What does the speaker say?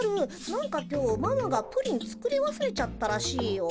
なんか今日ママがプリン作りわすれちゃったらしいよ。